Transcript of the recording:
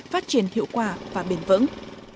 phát triển hiệu quả và bền vững